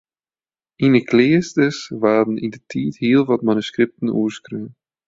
Yn 'e kleasters waarden yndertiid hiel wat manuskripten oerskreaun.